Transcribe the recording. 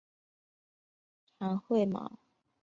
长喙毛茛泽泻为泽泻科毛茛泽泻属的植物。